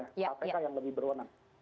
kpk yang lebih berwenang